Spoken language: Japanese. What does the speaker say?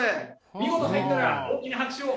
見事入ったら大きな拍手を。